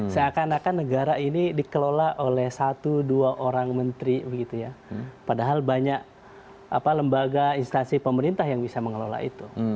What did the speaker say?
seakan akan negara ini dikelola oleh satu dua orang menteri padahal banyak lembaga instansi pemerintah yang bisa mengelola itu